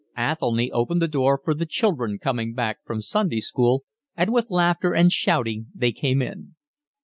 Athelny opened the door for the children coming back from Sunday school, and with laughter and shouting they came in.